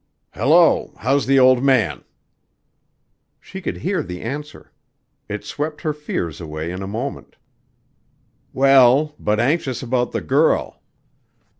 "Hello! how's the old man?" She could hear the answer. It swept her fears away in a moment. "Well, but anxious about the girl."